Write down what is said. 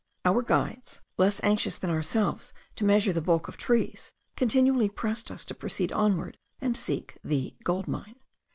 Our guides, less anxious than ourselves to measure the bulk of trees, continually pressed us to proceed onward and seek the 'gold mine.'